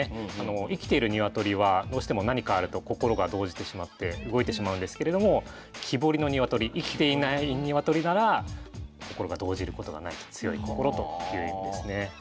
生きている鶏はどうしても何かあると心が動じてしまって動いてしまうんですけれども木彫りの鶏生きていない鶏なら心が動じることがなく強い心という意味ですね。